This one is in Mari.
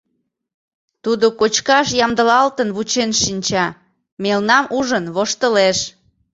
Тудо кочкаш ямдылалтын вучен шинча, мелнам ужын, воштылеш.